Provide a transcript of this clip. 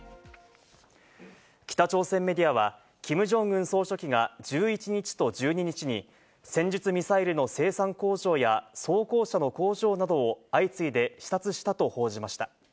北朝鮮メディアはキム・ジョンウン総書記が１１日と１２日に戦術ミサイルの生産交渉や、装甲車の交渉などを相次いで視察したと報じました。